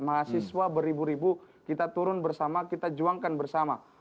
mahasiswa beribu ribu kita turun bersama kita juangkan bersama